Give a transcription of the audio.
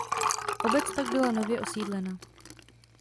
Obec pak byla nově osídlena.